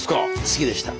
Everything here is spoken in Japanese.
好きでした。